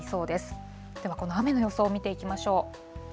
では、この雨の予想、見ていきましょう。